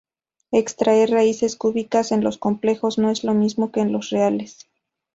Extraer raíces cúbicas en los complejos no es lo mismo que en los reales.